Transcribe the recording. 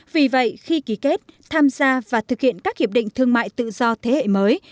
vì vậy khi ký kết tham gia và thực hiện các hiệp định thương mại tự do thế hệ mới